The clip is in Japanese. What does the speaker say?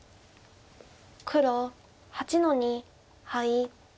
黒８の二ハイ。